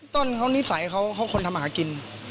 ต้นเขานิสัยเขาคนทำมาหากิน